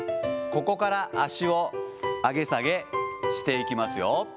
ここから足を上げ下げしていきますよ。